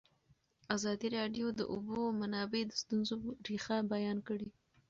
ازادي راډیو د د اوبو منابع د ستونزو رېښه بیان کړې.